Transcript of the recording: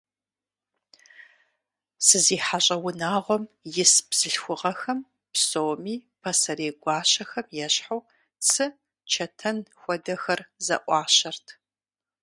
СызихьэщӀэ унагъуэм ис бзылъхугъэхэм псоми, пасэрей гуащэхэм ещхьу, цы, чэтэн хуэдэхэр зэӀуащэрт.